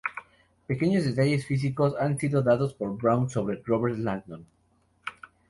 Pequeños detalles físicos han sido dados por Brown sobre Robert Langdon.